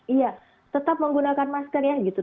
iya tetap menggunakan masker ya gitu